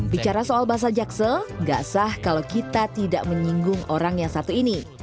bicara soal bahasa jaksel gak sah kalau kita tidak menyinggung orang yang satu ini